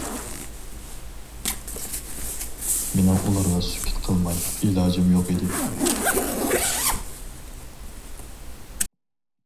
مېنىڭ ئۇلارغا سۈكۈت قىلماي ئىلاجىم يوق ئىدى.